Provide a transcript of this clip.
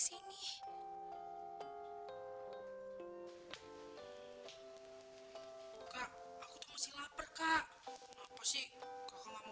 sekarang mereka tinggal di mana